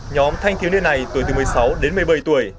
nhóm thanh thiếu niên này tuổi từ một mươi sáu đến một mươi bảy tuổi